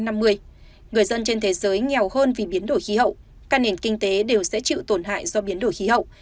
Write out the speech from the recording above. người dân trên thế giới nghèo hơn vì biến đổi khí hậu các nền kinh tế đều sẽ chịu tổn hại do biến đổi khí hậu